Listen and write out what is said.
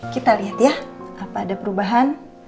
kita lihat ya apa ada perubahan